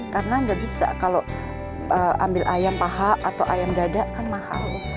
karena nggak bisa kalau ambil ayam paha atau ayam dada kan mahal